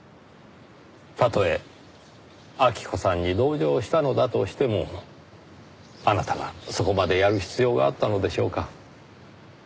たとえ晃子さんに同情したのだとしてもあなたがそこまでやる必要があったのでしょうか？